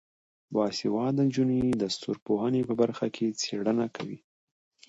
باسواده نجونې د ستورپوهنې په برخه کې څیړنه کوي.